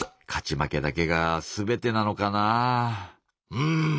うん。